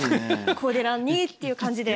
こでらんにっていう感じで。